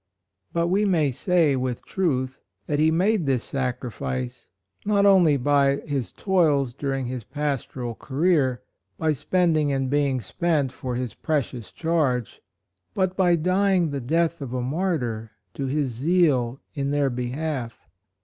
But we may say, with truth, that he made this sacrifice, not only by his toils during his pastoral career, by spending and being spent for his precious charge, but by dying the death of a martyr to his zeal in their behalf.